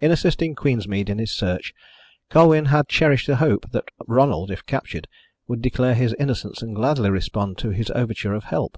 In assisting Queensmead in his search Colwyn had cherished the hope that Ronald, if captured, would declare his innocence and gladly respond to his overture of help.